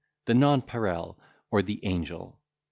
the Nonpareil, or the Angel!